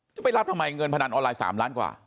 จะไปรับทำไมเงินพนันออนไลน์๓ล้านกว่า